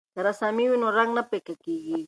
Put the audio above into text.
که رسامي وي نو رنګ نه پیکه کیږي.